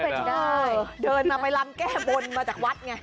เป็นได้เดินมาไปลำแก้บนมาจากวัดไง